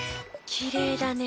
きれいだね。